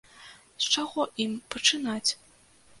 З чаго ім пачынаць?